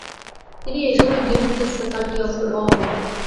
তিনি এই সময়ে dean of the faculty of law হন ।